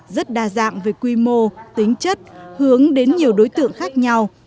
rất đa dạng về quy mô tính chất hướng đến nhiều đối tượng khác nhau